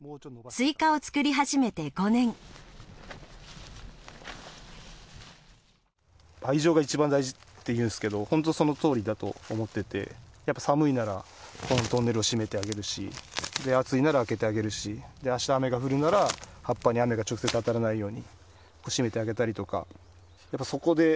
スイカを作り始めて５年。っていうんですけど本当にそのとおりだと思っていてやっぱり寒いならこのトンネルを閉めてあげるしで暑いなら開けてあげるしで明日雨が降るなら葉っぱに雨が直接当たらないように閉めてあげたりとか。